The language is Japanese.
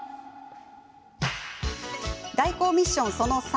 代行ミッションその３。